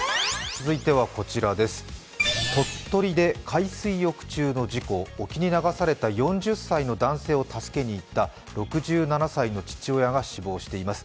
続いては鳥取で海水浴中の事故沖に流された４０歳の男性の６７歳の父親が死亡しています。